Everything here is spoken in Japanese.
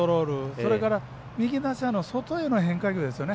それから右打者の外への変化球ですよね。